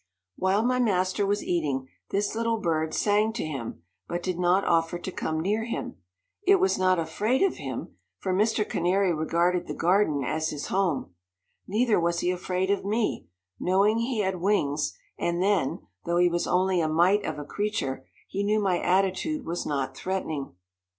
While my master was eating, this little bird sang to him, but did not offer to come near him. It was not afraid of him, for Mr. Canary regarded the garden as his home. Neither was he afraid of me, knowing he had wings, and then, though he was only a mite of a creature, he knew my attitude was not threatening.